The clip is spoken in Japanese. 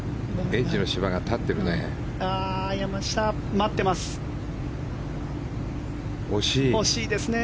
エッジの芝が立ってるね。